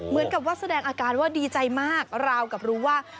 เหมือนกับว่าแสดงอาการว่าดีใจมากราวกับรู้ว่า